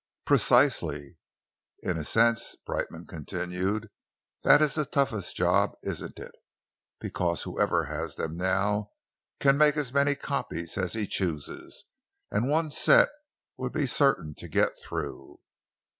"Precisely!" "In a sense," Brightman continued, "that is a toughish job, isn't it, because whoever has them now can make as many copies as he chooses, and one set would be certain to get through."